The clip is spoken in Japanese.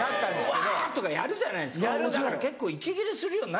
わ！とかやるじゃないですかだから結構息切れするように。